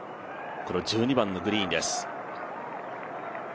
１２番のグリーンです。